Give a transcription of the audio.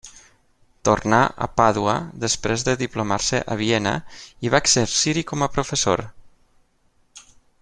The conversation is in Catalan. Tornà a Pàdua després de diplomar-se a Viena i va exercir-hi com a professor.